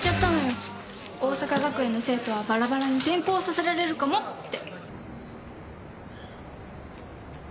桜咲学園の生徒はばらばらに転校させられるかもって。